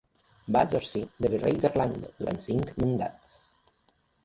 Va exercir de virrei d'Irlanda durant cinc mandats.